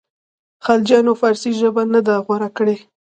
خلجیانو فارسي ژبه نه ده غوره کړې.